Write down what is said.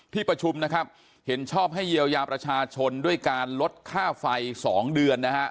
ที่ประชุมนะครับเห็นชอบให้เยียวยาประชาชนด้วยการลดค่าไฟ๒เดือนนะฮะ